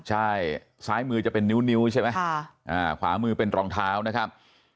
ใช่ซ้ายมือจะเป็นนิ้วใช่ไหมขวามือเป็นรองเท้านะครับ